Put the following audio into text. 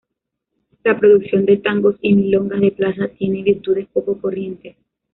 La producción de tangos y milongas de Plaza tiene virtudes poco corrientes.